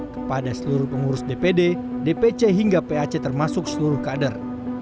kepada seluruh pengurus dpd dpc hingga pac termasuk seluruh kader